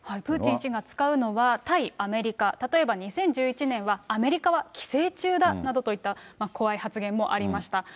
プーチン氏が使うのは、対アメリカ、例えば２０１１年はアメリカは寄生虫だなどといった怖い発言もありました。